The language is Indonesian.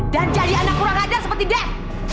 dan jadi anak kurang ajar seperti dev